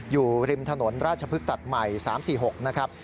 อยู่ริมถนนราชพฤกษัตใหม่๓๔๖นะครับ